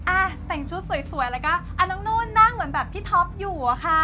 อ่ะแต่งชุดสวยแล้วก็น้องนุ่นนั่งเหมือนแบบพี่ท็อปอยู่อะค่ะ